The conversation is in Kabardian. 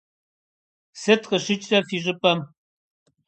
Сыт къыщыкӏрэ фи щӏыпӏэм?